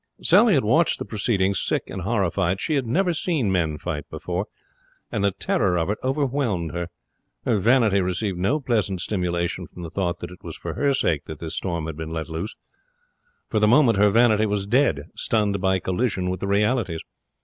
Sally had watched the proceedings, sick and horrified. She had never seen men fight before, and the terror of it overwhelmed her. Her vanity received no pleasant stimulation from the thought that it was for her sake that this storm had been let loose. For the moment her vanity was dead, stunned by collision with the realities.